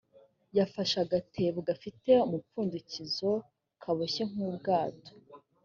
yafashe agatebo gafite umupfundikizo kaboshye nk ubwato